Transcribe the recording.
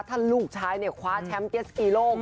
ถ้าลูกชายเนี่ยคว้าแชมป์เจสกีโลก